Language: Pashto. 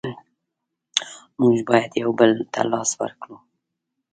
موږ باید یو بل ته لاس ورکړو.